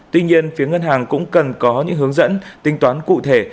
tuy nhiên phía ngân hàng cũng cần có những hướng dẫn tinh toán cụ thể